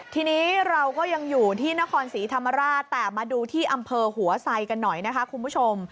ทีนี้เราก็ยังอยู่ที่นครศรีธรรมราชแต่มาดูที่อำเภอหัวไซกันหน่อยนะคะคุณผู้ชม